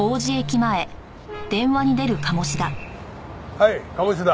はい鴨志田。